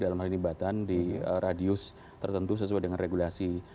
dalam hal ini batan di radius tertentu sesuai dengan regulasi